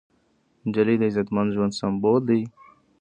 نجلۍ د عزتمن ژوند سمبول ده.